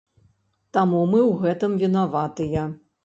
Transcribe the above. Таму мы ў гэтым вінаватыя.